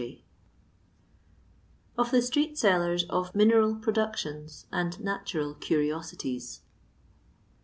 OF THE STREET SELLEES OF MINERAL PRODUCTIONS AND NATURAL CURIOSITIES.